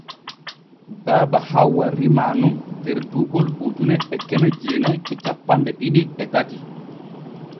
Baba Hawwa rimaa nun der duuɓol ujune e keme jeenay e cappanɗe ɗiɗi e tati.